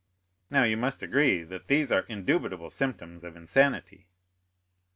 Now, you must agree that these are indubitable symptoms of insanity."